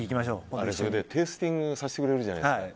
テイスティングさせてくれるじゃないですか。